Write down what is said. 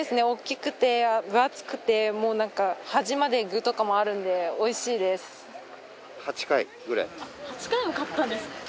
大きくて分厚くてもうなんか端まで具とかもあるんでおいしいです。